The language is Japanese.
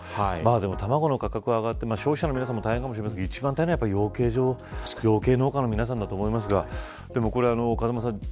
でも卵の価格が上がって消費者の皆さま大変かもしれませんがでも、一番大変なのは養鶏農家の皆さんだと思いますがでもこれ、風間さん